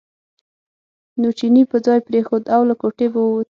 نو چیني به ځای پرېښود او له کوټې به ووت.